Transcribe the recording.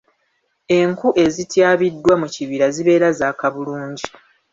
Enku ezityabiddwa mu kibira zibeera zaaka bulungi.